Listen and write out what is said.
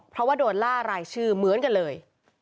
เพราะว่าโดนล่ารายชื่อเหมือนกันเลย